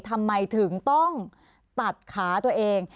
ทำไมถึงต้องตัดขาตัวเอง